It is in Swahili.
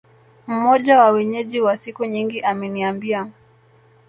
Mmoja wa Wenyeji wa siku nyingi ameniambia